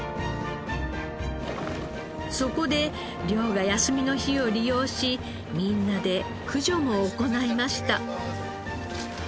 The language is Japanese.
そこで漁が休みの日を利用しみんなで駆除も行いました。